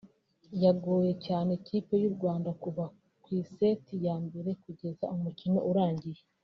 yagoye cyane ikipe y’u Rwanda kuva ku iseti ya mbere kugeza umukino urangiye